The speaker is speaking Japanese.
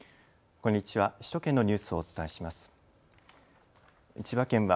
こんにちは。